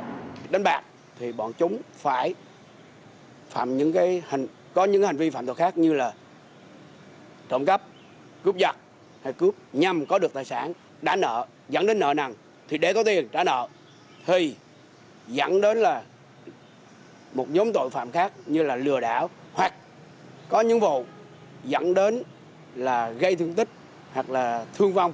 nạn cờ bạc thì bọn chúng phải phạm những hành vi phạm tội khác như là trộm cắp cướp giặt hay cướp nhằm có được tài sản đá nợ dẫn đến nợ nặng thì để có tiền trả nợ thì dẫn đến là một nhóm tội phạm khác như là lừa đảo hoặc có những vụ dẫn đến là gây thương tích hoặc là thương vong